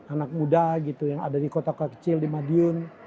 anak muda gitu yang ada di kota kota kecil di madiun